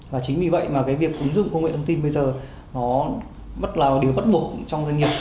và chính vì vậy mà cái việc ứng dụng công nghệ ứng tin bây giờ nó là điều bất vụ trong doanh nghiệp